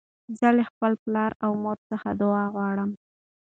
زه له خپل پلار او مور څخه دؤعا غواړم.